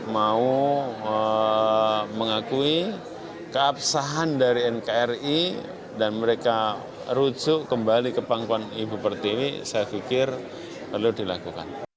mau mengakui keabsahan dari nkri dan mereka rujuk kembali ke pangkuan ibu pertiwi saya pikir perlu dilakukan